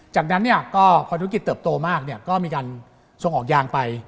จากนั้นพอธุรกิจเติบโตมากก็มีการส่งออกยางไป